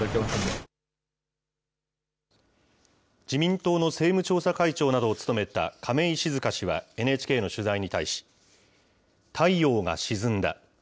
自民党の政務調査会長などを務めた亀井静香氏は、ＮＨＫの取材に対し、太陽が沈んだ。